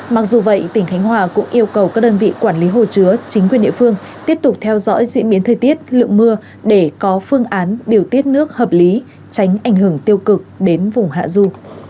mặc dù vậy tỉnh khánh hòa cũng yêu cầu các đơn vị quản lý hồ chứa chính quyền địa phương tiếp tục theo dõi diễn biến thời tiết lượng mưa để có phương án điều tiết nước hợp lý tránh ảnh hưởng tiêu cực đến vùng hạ du